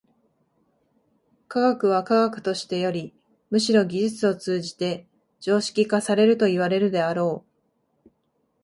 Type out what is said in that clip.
科学は科学としてよりむしろ技術を通じて常識化されるといわれるであろう。